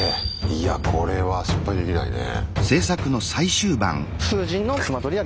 いやこれは失敗できないね。